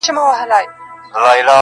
o د دوبي ټکنده غرمې د ژمي سوړ سهار مي.